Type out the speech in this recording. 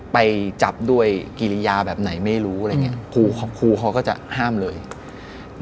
ไปจับด้วยกิริยาแบบไหนไม่รู้อะไรเงี้ยครูเขาก็จะห้ามเลยนะฮะ